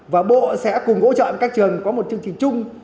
và bộ sẽ cùng hỗ trợ các trường có một chương trình chung